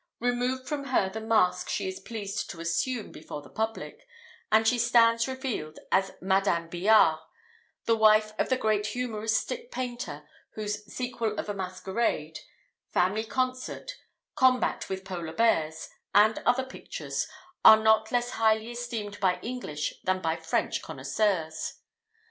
Remove from her the mask she is pleased to assume before the public, and she stands revealed as Madame Biard, the wife of the great humoristic painter, whose "Sequel of a Masquerade," "Family Concert," "Combat with Polar Bears," and other pictures, are not less highly esteemed by English than by French connoisseurs.